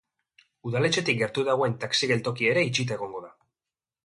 Udaletxetik gertu dagoen taxi geltokia ere itxita egongo da.